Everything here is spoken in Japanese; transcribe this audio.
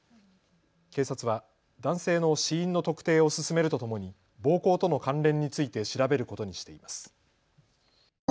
警察は男性の死因の特定を進めるとともに暴行との関連について調べることにしています。